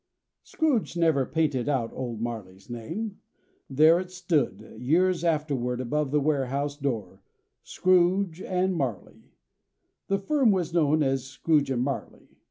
Scrooge never painted out Old Marley's name. There it stood, years afterward, above the warehouse door: Scrooge and Marley. The firm was known as Scrooge and Marley.